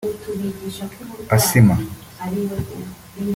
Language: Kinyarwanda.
asima